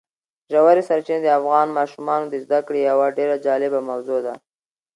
ژورې سرچینې د افغان ماشومانو د زده کړې یوه ډېره جالبه موضوع ده.